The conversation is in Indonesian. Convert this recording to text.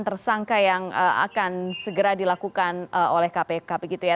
tersangka yang akan segera dilakukan oleh kpk begitu ya